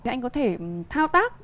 anh có thể thao tác